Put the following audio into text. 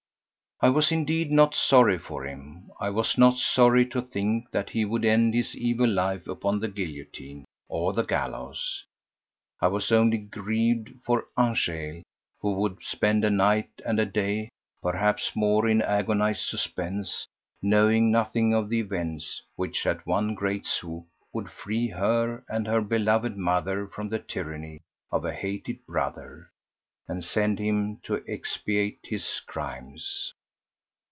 I was indeed not sorry for him. I was not sorry to think that he would end his evil life upon the guillotine or the gallows. I was only grieved for Angèle who would spend a night and a day, perhaps more, in agonized suspense, knowing nothing of the events which at one great swoop would free her and her beloved mother from the tyranny of a hated brother and send him to expiate his crimes.